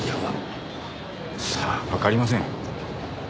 さあわかりません。